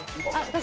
私